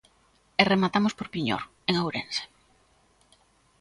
E rematamos por Piñor, en Ourense.